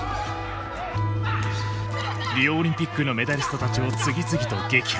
リオオリンピックのメダリストたちを次々と撃破。